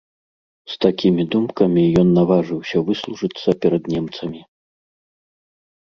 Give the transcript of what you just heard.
З такімі думкамі ён наважыўся выслужыцца перад немцамі.